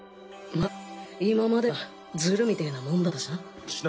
まっ今までがズルみてぇなもんだったしな。